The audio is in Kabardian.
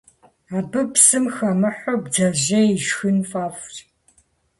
Абы псым хэмыхьэу бдзэжьей ишхын фӀэфӀщ.